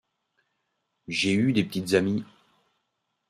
J'ai eu des petites amies.